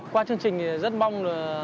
qua chương trình rất mong